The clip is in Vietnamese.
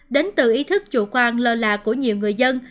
đến từ ý thức chủ quan lơ là của nhiều người dân